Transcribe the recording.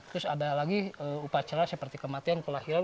terus ada lagi upacara seperti kematian kelahiran